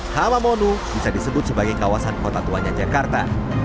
hamamonu bisa disebut sebagai kawasan kota tuanya jakarta